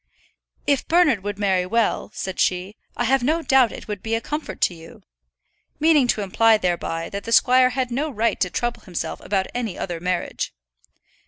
"If Bernard would marry well," said she, "I have no doubt it would be a comfort to you," meaning to imply thereby that the squire had no right to trouble himself about any other marriage.